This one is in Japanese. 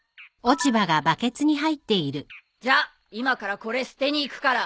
じゃ今からこれ捨てに行くから。